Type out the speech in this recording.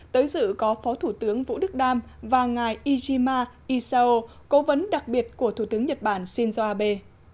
tới dự có phó thủ tướng vũ đức đam và ngài ishima isao cố vấn đặc biệt của thủ tướng nhật bản shinzo abe